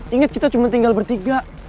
ingat kita cuma tinggal bertiga